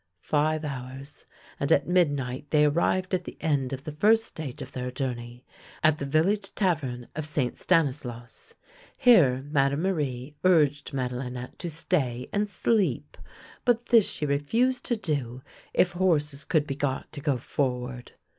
Five hours, and at midnight they arrived at the end of the first stage of their journey, at the village tavern of St. Stanislaus. Here Madame Marie urged Made linctte to stay and sleep, but this she refused to do if horses could be got to go forward.